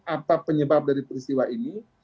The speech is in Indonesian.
apa penyebab dari peristiwa ini